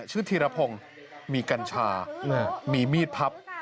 ชื่อธิระพงมีกัญชามีมีดพับ